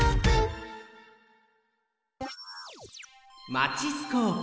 マチスコープ。